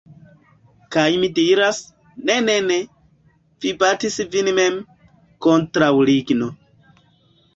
Kaj mi diras: "Ne ne ne! Vi batis vin mem! Kontraŭ ligno."